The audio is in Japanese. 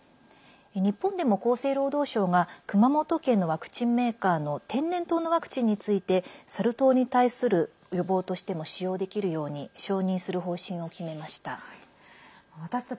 日本でも厚生労働省が熊本県のワクチンメーカーの天然痘のワクチンについてサル痘に対する予防としても使用できるように承認する方針を決めました。